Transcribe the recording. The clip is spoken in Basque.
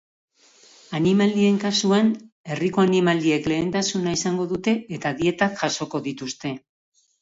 Animalien kasuan, herriko animaliek lehentasuna izango dute eta dietak jasoko dituzte.